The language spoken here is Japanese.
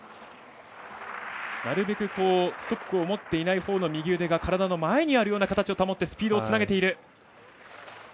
なるべくストックを持っていないほうの右腕が体の前にあるような形を保ってスピードをつなげている。